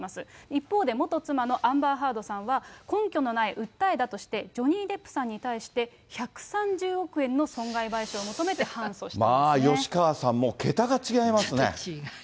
一方で元妻のアンバー・ハードさんは根拠のない訴えだとして、ジョニー・デップさんに対して、１３０億円の損害賠償を求めて敗訴吉川さん、ちょっと違いますよね。